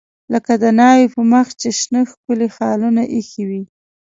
لکه د ناوې په مخ چې شنه ښکلي خالونه ایښي وي.